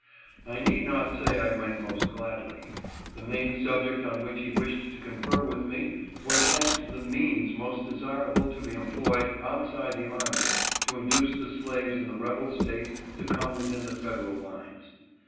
I need not say I went most gladly. The main subject on which he wished to confer with me was as to the means most desirable to be employed outside the army to induce the slaves in the rebel States to come within the Federal lines.